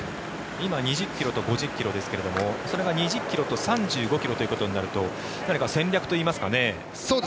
今２０ｋｍと５０ｋｍですけどそれが２０ｋｍと３５ｋｍということになると戦略といいますか。